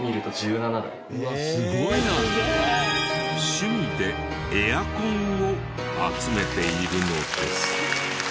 趣味でエアコンを集めているのです。